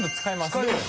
使います